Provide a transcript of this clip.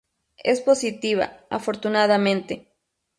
Es positiva, afortunadamente.